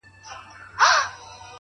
هره پوښتنه نوی امکان راپیدا کوي؛